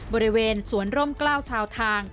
บริเวณสวนร่มกล้าวชาวทาง